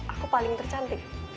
aku paling tercantik